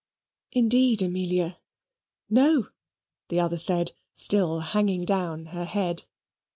"Indeed, Amelia, no," the other said, still hanging down her head.